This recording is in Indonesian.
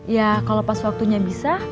ya kalau pas waktunya bisa